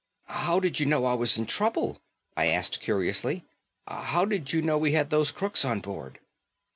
"How did you know I was in trouble?" I asked curiously. "How did you know we had those crooks on board?"